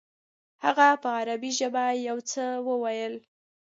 هغه په عربي ژبه یو څه وویل.